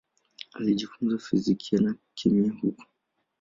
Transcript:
Alijifunza fizikia na kemia huko.